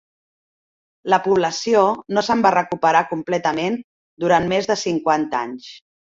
La població no se'n va recuperar completament durant més de cinquanta anys.